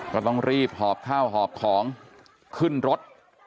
ก็ต้องรีบหอบข้าวหอบของขึ้นรถ